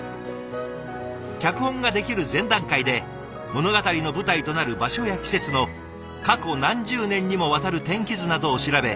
脚本が出来る前段階で物語の舞台となる場所や季節の過去何十年にもわたる天気図などを調べ